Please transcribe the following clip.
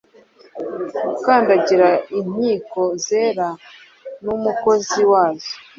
Gukandagira Inkiko zera, numukozi wazo